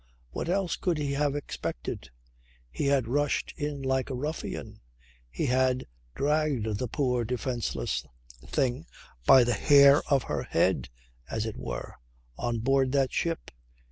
What else could he have expected? He had rushed in like a ruffian; he had dragged the poor defenceless thing by the hair of her head, as it were, on board that ship.